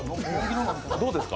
どうですか？